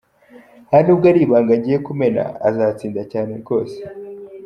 Nta nubwo ari ibanga ngiye kumena, azatsinda cyane rwose.